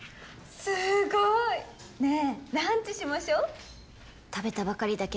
すごいねえランチしましょう？